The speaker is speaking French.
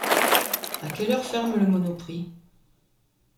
A quelle heure ferme le monoprix ?